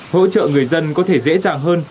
hỗ trợ người dân có thể dễ dàng hơn